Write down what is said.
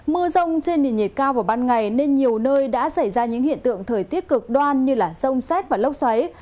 mưa rông trên nền nhiệt cao vào ban ngày nên nhiều nơi đã xảy ra những hiện tượng thời tiết cực đoan như sông xét và lốc xoáy